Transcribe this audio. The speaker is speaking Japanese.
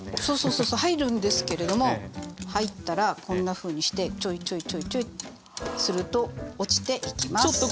そうそうそうそう入るんですけれども入ったらこんなふうにしてちょいちょいちょいちょいすると落ちていきます。